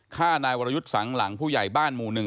ฆ่านายวรยุทธ์สังหลังผู้ใหญ่บ้านหมู่หนึ่ง